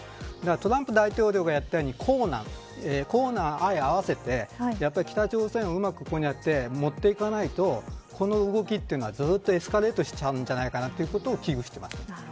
トランプ大統領がやったように硬軟合わせて北朝鮮をうまくこうやってもっていかないとこの動きというのはずっとエスカレートしちゃうんじゃないかということを危惧しています。